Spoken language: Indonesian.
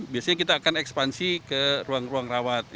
biasanya kita akan ekspansi ke ruang ruang rawat